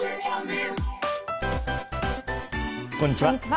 こんにちは。